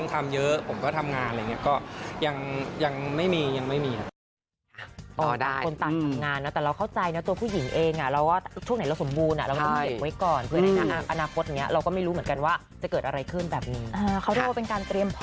แบบคนต่างเลยหรือเปล่าครับค่ะ